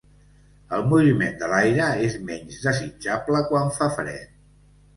El moviment de l'aire és menys desitjable quan fa fred.